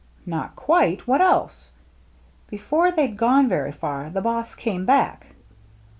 " Not quite ! What else ?"" Before they'd gone very far, the boss came back."